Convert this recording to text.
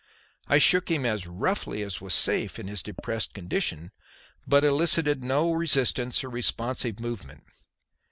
I shook him as roughly as was safe in his depressed condition, but elicited no resistance or responsive movement.